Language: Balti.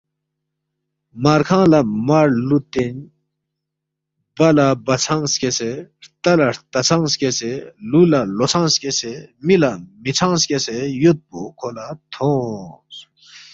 مار کھنگ لہ مار لُوتین، بہ لہ بہ ژھنگ سکیسے، ہرتا لہ ہرتا ژھنگ سکیسے، لُو لہ لُو ژھنگ سکیسے، می لہ می ژھنگ سکیسے یودپو کھو لہ تھونگس